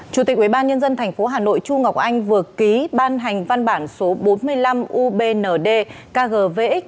chủ tịch ubnd tp hà nội chu ngọc anh vừa ký ban hành văn bản số bốn mươi năm ubnd kg